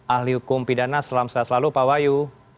ahli hukum pidana selamat selalu pak wayu